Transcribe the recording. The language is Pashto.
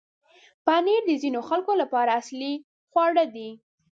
پنېر د ځینو خلکو لپاره اصلي خواړه دی.